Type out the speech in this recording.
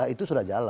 itu sudah jalan